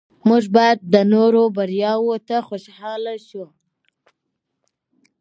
موږ باید د نورو بریاوو ته خوشحاله شو